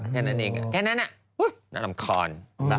แค่นั้นอ่ะน้ำคอน